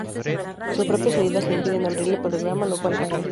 Sus propias heridas le impiden abrir en el programa, lo cual falla.